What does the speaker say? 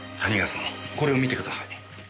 これを見てください。